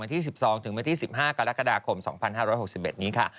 ที่๑๒ถึงวันที่๑๕กรกฎาคม๒๕๖๑นี้ค่ะ